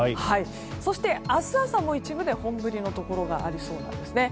そして、明日朝も一部で本降りのところがありそうなんですね。